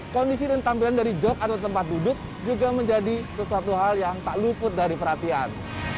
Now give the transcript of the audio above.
kondisi dan tampilan dari jog atau tempat duduk juga menjadi sesuatu hal yang tak luput dari perhatian